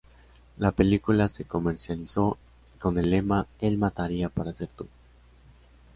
La película se comercializó con el lema "Él mataría para ser tú".